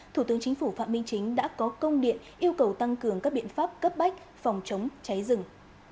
thủ tướng chính phủ phạm minh chính đã có công điện yêu cầu tăng cường các biện pháp cấp bách phòng chống cháy rừng